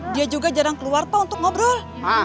dia juga jarang keluar pak untuk ngobrol